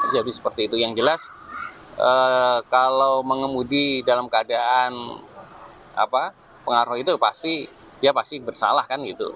jadi seperti itu yang jelas kalau mengemudi dalam keadaan pengaruh itu pasti dia pasti bersalah kan gitu